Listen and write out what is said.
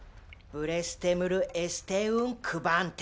ブレステムル・エステウン・クヴァンテ。